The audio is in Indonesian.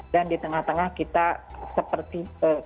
dan di tengah tengah kita seperti